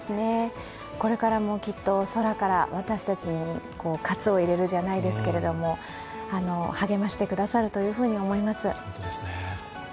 これからもきっと、空から私たちに喝を入れるじゃないですけども、励ましてくださると思います。